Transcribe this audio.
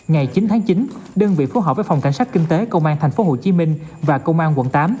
ngày chín tháng chín đơn vị phối hợp với phòng cảnh sát kinh tế công an tp hcm và công an quận tám